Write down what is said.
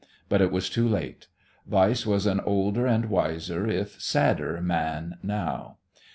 But it was too late. Weiss was an older and a wiser, if sadder man now.